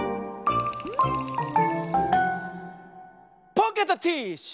ポケットティッシュ！